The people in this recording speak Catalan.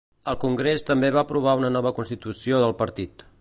El congrés també va aprovar una nova constitució pel partit.